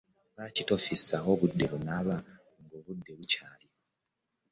Lwaki tofisaawo budde bunaaba nga obudde bukyali?